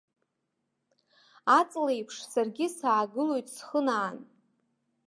Аҵлеиԥш, саргьы саагылоит схынаан.